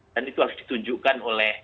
dan itu harus ditunjukkan oleh